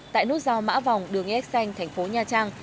tại nút giao mã vòng đường es xanh thành phố nha trang